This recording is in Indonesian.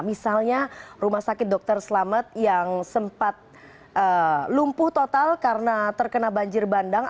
misalnya rumah sakit dr selamat yang sempat lumpuh total karena terkena banjir bandang